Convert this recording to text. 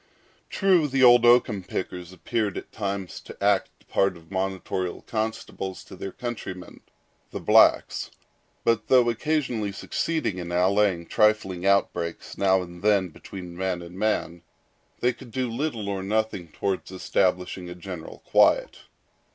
True, the old oakum pickers appeared at times to act the part of monitorial constables to their countrymen, the blacks; but though occasionally succeeding in allaying trifling outbreaks now and then between man and man, they could do little or nothing toward establishing general quiet.